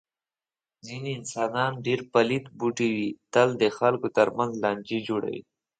ځنې انسانان ډېر پلیت بوټی وي. تل د خلکو تر منځ لانجې جوړوي.